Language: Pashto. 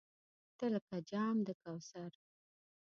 تۀ لکه جام د کوثر !